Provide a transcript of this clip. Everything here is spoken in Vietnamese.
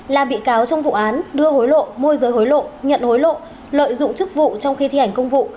là bị cáo trong vụ án đưa hối lộ môi giới hối lộ nhận hối lộ lợi dụng chức vụ trong khi thi hành công vụ